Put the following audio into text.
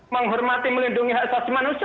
menghormati melindungi hak sasih manusia jika